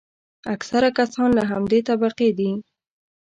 اکثره کسان له همدې طبقې دي.